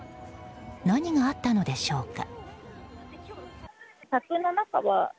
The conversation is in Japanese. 何があったのでしょうか。